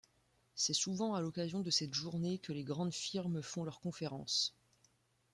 C'est souvent à l'occasion de cette journée que les grandes firmes font leur conférence.